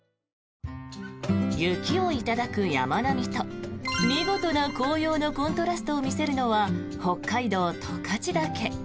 雪を頂く山並みと見事な紅葉のコントラストを見せるのは北海道・十勝岳。